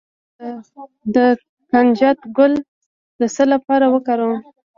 د کنجد ګل د څه لپاره وکاروم؟